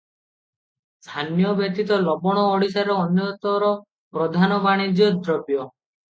ଧାନ୍ୟ ବ୍ୟତୀତ ଲବଣ ଓଡିଶାର ଅନ୍ୟତର ପ୍ରଧାନ ବାଣିଜ୍ୟଦ୍ରବ୍ୟ ।